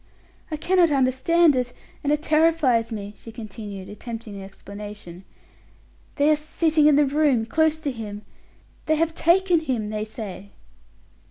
"I cannot understand it, and it terrifies me," she continued, attempting an explanation. "They are sitting in the room, close to him: they have taken him, they say."